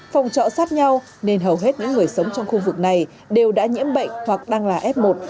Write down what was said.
phòng trọ sát nhau nên hầu hết những người sống trong khu vực này đều đã nhiễm bệnh hoặc đang là f một